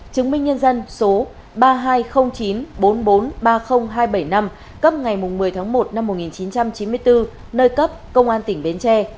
chứng minh nhân dân số ba hai không chín bốn bốn ba không hai bảy năm cấp ngày một mươi tháng một năm một nghìn chín trăm chín mươi bốn nơi cấp công an tp hcm